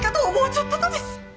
ちょったとです！